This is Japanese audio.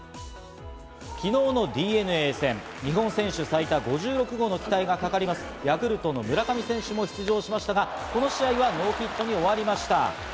昨日のＤｅＮＡ戦、日本選手最多５６号の期待がかかるヤクルト・村上選手も出場しましたが、この試合、ノーヒットに終わりました。